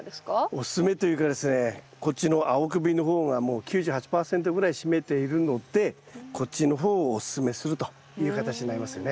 おすすめというかですねこっちの青首の方がもう９８％ぐらい占めているのでこっちの方をおすすめするという形になりますよね